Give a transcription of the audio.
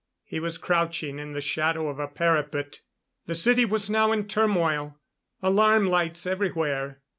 He was crouching in the shadow of a parapet. The city was now in turmoil. Alarm lights everywhere.